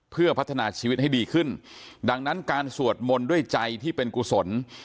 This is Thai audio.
เพื่อพัฒนาชีวิตให้ดีขึ้นดังนั้นการสวดมนต์ด้วยใจที่เป็นกุศล